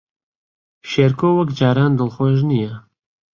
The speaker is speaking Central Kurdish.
شێرکۆ وەک جاران دڵخۆش نییە.